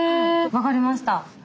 分かりました。